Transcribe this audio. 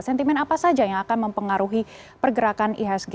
sentimen apa saja yang akan mempengaruhi pergerakan ihsg